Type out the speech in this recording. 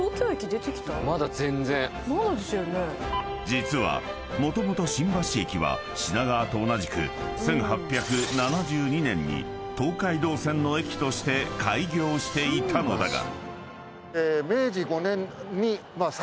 ［実はもともと新橋駅は品川と同じく１８７２年に東海道線の駅として開業していたのだが］